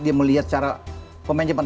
dia melihat secara pemain jepang